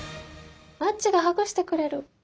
「マッチがハグしてくれる」。